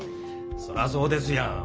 そらそうですやん。